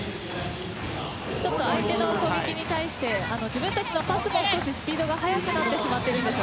ちょっと相手の攻撃に対して自分たちのパスもスピードが速くなっているんです。